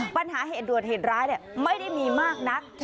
ปัญหาเหตุด่วนเหตุร้ายไม่ได้มีมากนัก